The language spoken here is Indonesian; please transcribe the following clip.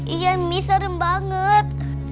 iya mie serem banget